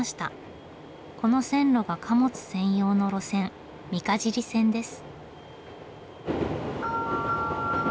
この線路が貨物専用の路線三ヶ尻線です。